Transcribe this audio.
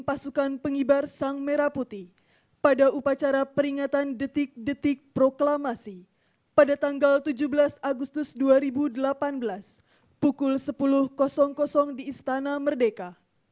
pasukan pengibar sang merah putih pada upacara peringatan detik detik proklamasi pada tanggal tujuh belas agustus dua ribu delapan belas pukul sepuluh di istana merdeka